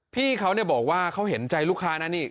พี่เขาบอกว่าเขาเห็นใจลูกค้านะนี่